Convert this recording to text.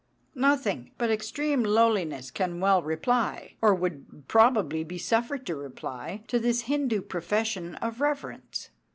Nothing but extreme lowliness can well reply, or would probably be suffered to reply, to this Hindu profession of reverence.